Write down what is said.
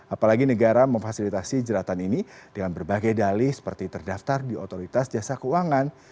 apalagi negara memfasilitasi jeratan ini dengan berbagai dalih seperti terdaftar di otoritas jasa keuangan